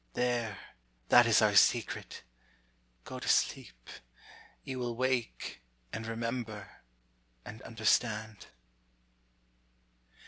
There, that is our secret! go to sleep; You will wake, and remember, and understand.